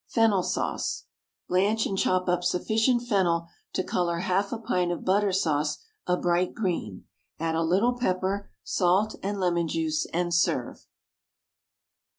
FENNEL SAUCE. Blanch and chop up sufficient fennel to colour half a pint of butter sauce a bright green, add a little pepper, salt, and lemon juice, and serve.